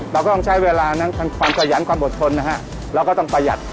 เราก็ต้องใช้เวลานั้นทั้งความขยันความอดทนนะฮะเราก็ต้องประหยัด